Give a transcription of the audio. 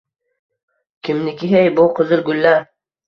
Kimniki, hey, bu qizil gullar?